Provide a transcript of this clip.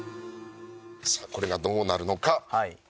さあこれがどうなるのか。